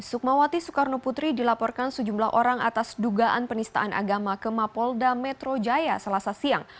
sukmawati soekarno putri dilaporkan sejumlah orang atas dugaan penistaan agama ke mapolda metro jaya selasa siang